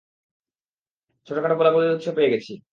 ছোটখাট গোলাগুলির উৎস পেয়ে গেছি।